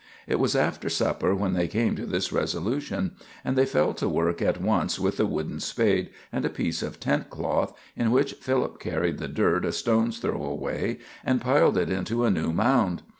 It was after supper when they came to this resolution, and they fell to work at once with the wooden spade and a piece of tent cloth, in which Philip carried the dirt a stone's throw away and piled it into a new mound.